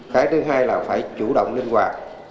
cái thứ hai là phải chủ động linh hoạt